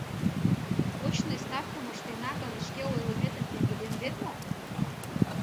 «Очный ставкым ыштена гын, шке ойлыметым пеҥгыдемдет мо?»